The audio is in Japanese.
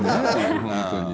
本当に。